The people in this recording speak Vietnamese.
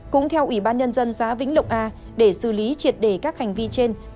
cũng theo ủy ban nhân dân xã vĩnh lộc a để xử lý triệt đề các hành vi trên